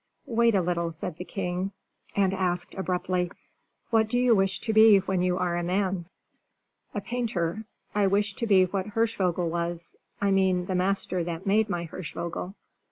"Wait a little," said the king, and asked, abruptly, "What do you wish to be when you are a man?" "A painter. I wish to be what Hirschvogel was I mean the master that made my Hirschvogel."